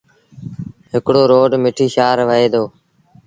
هڪڙوروڊ مٺيٚ شآهر وهي دو۔